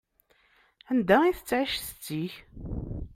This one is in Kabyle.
Anda i tettƐic setti-k?